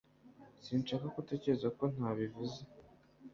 Sinshaka ko utekereza ko ntabivuze.